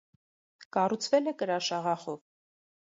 Կառուցվել է կրաշաղախով։